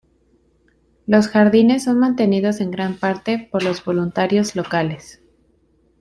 Los jardines son mantenidos en gran parte por los voluntarios locales.